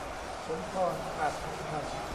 สมพร อาจคำพันธ์